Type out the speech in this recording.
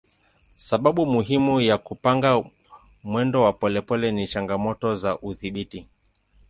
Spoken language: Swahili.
Sababu muhimu ya kupanga mwendo wa polepole ni changamoto za udhibiti.